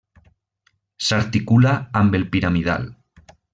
S'articula amb el piramidal.